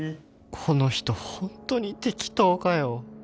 この人ホントに適当かよ